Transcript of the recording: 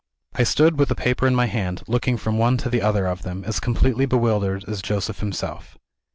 I stood with the paper in my hand, looking from one to the other of them, as completely bewildered as Joseph himself.